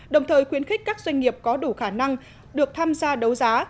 đồng thời khuyến khích các doanh nghiệp có đủ khả năng được tham gia đấu giá